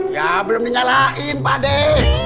ya belum dinyalain pak deh